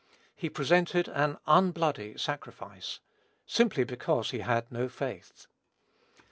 He presented "an unbloody sacrifice," simply because he had no faith.